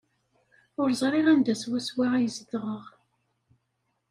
Ur ẓriɣ anda swaswa ay zedɣeɣ.